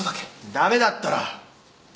駄目だったら。